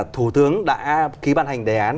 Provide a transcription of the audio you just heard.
thủ tướng đã ký bàn hành đề án